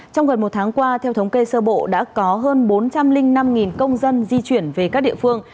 trong gần một tháng qua theo thống kê sơ bộ đã có hơn bốn trăm linh năm công dân di chuyển về các địa phương